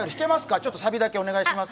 ちょっとサビだけお願いします。